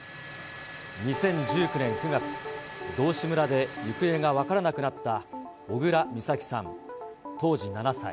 ２０１９年９月、道志村で行方が分からなくなった小倉美咲さん、当時７歳。